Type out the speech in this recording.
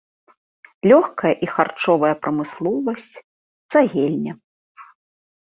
Лёгкая і харчовая прамысловасць, цагельня.